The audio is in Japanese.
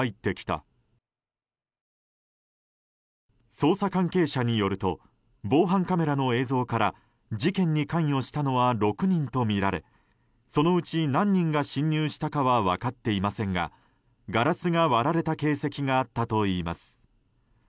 捜査関係者によると防犯カメラの映像から事件に関与したのは６人とみられそのうち何人が侵入したかは分かっていませんがガラスが割られた形跡があったといいます。